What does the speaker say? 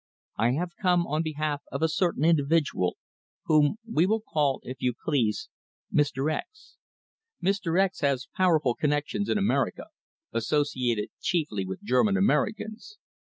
I have come on behalf of a certain individual whom we will call, if you please, Mr. X . Mr. X has powerful connections in America, associated chiefly with German Americans.